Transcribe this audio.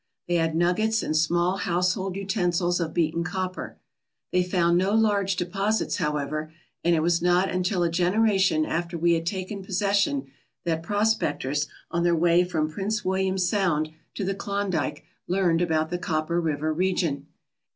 They had nuggets and small household utensils of beaten cop per. They found no large deposits, however, and it was not until a generation after we had taken possession that prospectors, on their way from Prince William Sound to the Klondike, learned about the Copper River region.